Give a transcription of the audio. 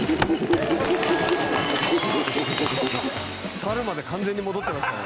猿まで完全に戻ってましたね。